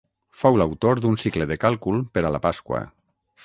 Fou l'autor d'un cicle de càlcul per a la Pasqua.